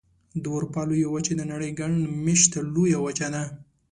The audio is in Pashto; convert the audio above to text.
د اروپا لویه وچه د نړۍ ګڼ مېشته لویه وچه ده.